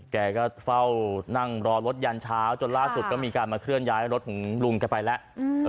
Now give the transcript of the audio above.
แกก็เฝ้านั่งรอรถยันเช้าจนล่าสุดก็มีการมาเคลื่อนย้ายรถของลุงแกไปแล้ว